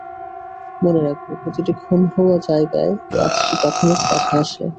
মনে রাখবে, প্রতিটি খুন হওয়া জায়গায় পাঁচটি প্রাথমিক বাধা আসে।